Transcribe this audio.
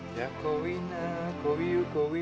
kalau harus makan file m smartphone